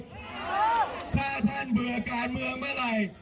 ถ้าท่านเบื่อการเมืองเมื่อไหร่